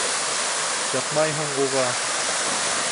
Сыҡмайһың уға!